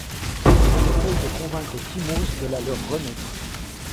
Ils essaient de convaincre Timos de la leur remettre.